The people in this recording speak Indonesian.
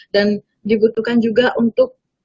dan dibutuhkan juga untuk